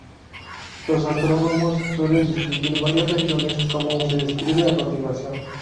Los astrónomos suelen distinguir varias regiones, como se describe a continuación.